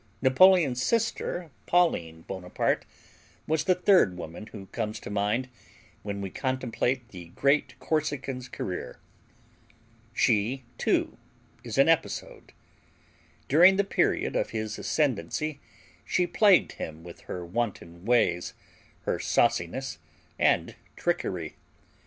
Napoleon's sister, Pauline Bonaparte, was the third woman who comes to mind when we contemplate the great Corsican's career. She, too, is an episode. During the period of his ascendancy she plagued him with her wanton ways, her sauciness and trickery.